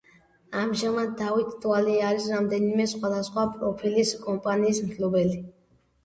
ამჟამად დავით დვალი არის რამდენიმე სხვადასხვა პროფილის კომპანიის მფლობელი.